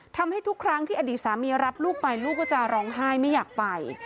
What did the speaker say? ทุกครั้งที่อดีตสามีรับลูกไปลูกก็จะร้องไห้ไม่อยากไป